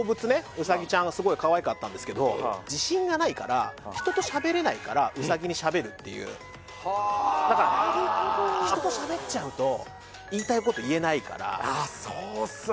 うさぎちゃんはすごいかわいかったんですけど自信がないから人と喋れないからうさぎに喋るっていう人と喋っちゃうと言いたいこと言えないからあそうっすね